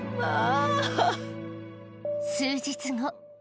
数日後。